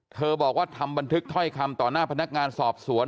บอกว่าทำบันทึกถ้อยคำต่อหน้าพนักงานสอบสวน